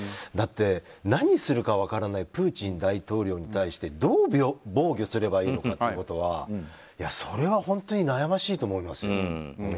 だって、何するか分からないプーチン大統領に対してどう防御すればいいのかということはそれは本当に悩ましいと思いますよ。